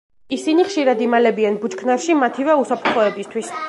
ისინი ხშირად იმალებიან ბუჩქნარში მათივე უსაფრთხოებისთვის.